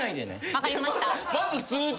分かりました。